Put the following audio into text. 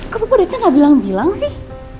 kok bapak dateng gak bilang bilang sih